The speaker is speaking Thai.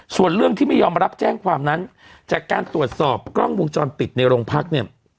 ส่วนเรื่องที่ไม่ยอมรับแจ้งความนั้นจากการตรวจสอบกล้องวงจรปิดในโรงพักเนี่ย